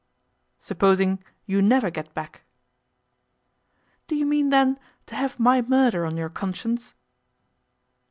'Supposing you never get back?' 'Do you mean, then, to have my murder on your conscience?